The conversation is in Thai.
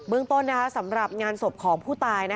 เมืองต้นสำหรับงานศพของผู้ตาย